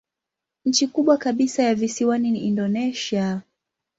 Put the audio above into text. Nchi kubwa kabisa ya visiwani ni Indonesia.